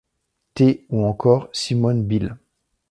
T ou encore Simone Biles.